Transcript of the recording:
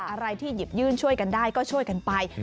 อะไรที่หยิบยื่นช่วยกันได้ก็ช่วยกันไป